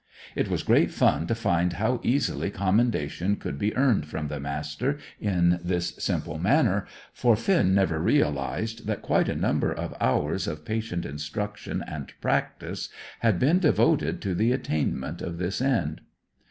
It was great fun to find how easily commendation could be earned from the Master in this simple manner, for Finn never realized that quite a number of hours of patient instruction and practice had been devoted to the attainment of this end.